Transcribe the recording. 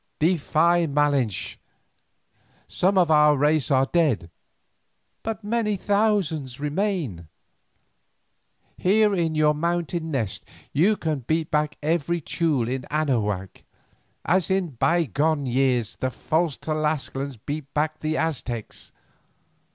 Defy Malinche. Some of our race are dead, but many thousands remain. Here in your mountain nest you can beat back every Teule in Anahuac, as in bygone years the false Tlascalans beat back the Aztecs.